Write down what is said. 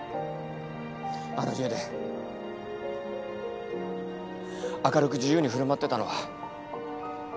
あの家で明るく自由に振る舞ってたのは。